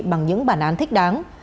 bằng những bản án thích đáng